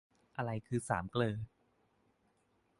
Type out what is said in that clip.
อะไรคือสามเกลอ